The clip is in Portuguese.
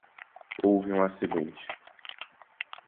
Houve um acidente.